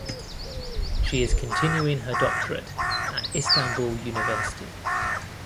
She is continuing her doctorate at Istanbul University.